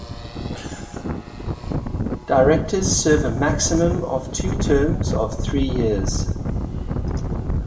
Directors serve a maximum of two terms of three years.